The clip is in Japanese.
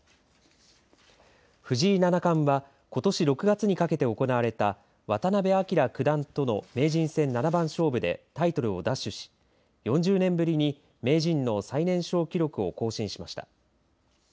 藤井七冠はことし６月にかけて行われた渡辺明九段との名人戦七番勝負でタイトルを奪取し４０年ぶりに名人の最年少記録を更新しました。